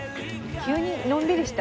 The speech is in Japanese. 急にのんびりした。